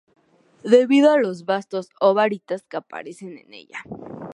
Debido a los bastos o "varitas" que aparecen en ella.